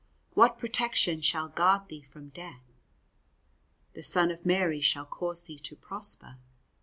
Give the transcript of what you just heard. What protection shall guard thee from death? The Son of Mary shall cause thee to prosper.